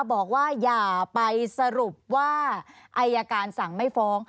บอกว่าอย่าไปสรุปว่าอายการสั่งไม่ฟ้อง